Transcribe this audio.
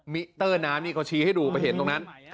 มิเตอร์น้ำนี่เขาชี้ให้ดูไปเห็นตรงนั้น